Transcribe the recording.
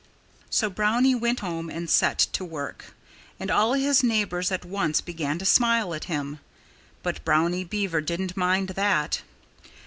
So Brownie went home and set to work. And all his neighbors at once began to smile at him. But Brownie Beaver didn't mind that.